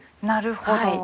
なるほど。